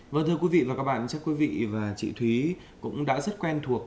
vâng thưa quý vị và các bạn chắc quý vị và chị thúy cũng đã rất quen thuộc